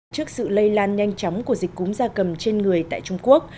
trước sự lây lan nhanh chóng của dịch cúm da cầm trên người tại trung quốc